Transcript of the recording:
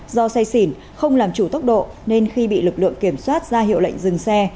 do say xỉn không làm chủ tốc độ nên khi bị lực lượng kiểm soát ra hiệu lệnh dừng xe